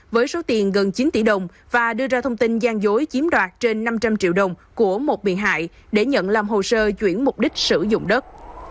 với số tiền gần chín tỷ đồng và đưa ra thông tin gian dối chiếm đoạt trên năm trăm linh triệu đồng của một bị hại để nhận làm hồ sơ chuyển mục đích sử dụng đất